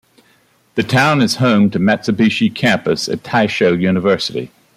The town is home to the Matsubushi Campus of Taisho University.